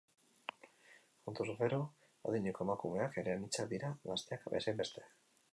Kontuz gero, adineko emakumeak ere anitzak dira, gazteak bezainbeste.